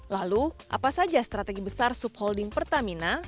lalu apa saja strategi besar subholding pertamina